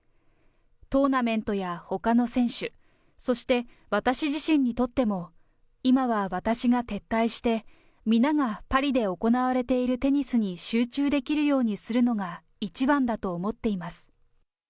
トーナメントやほかの選手、そして私自身にとっても、今は私が撤退して、皆がパリで行われているテニスに集中できるようにするのが一番だと思っています。